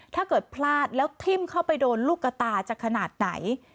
ถ้าเกิดพลาดแล้วทิ้มเข้าไปโดนลูกกระตาจะขนาดไหน